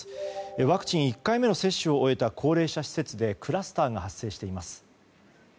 ワクチン１回目の接種を終えた高齢者施設でクラスターが発生しています。